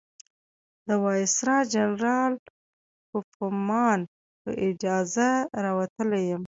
د وایسرا جنرال کوفمان په اجازه راوتلی یم.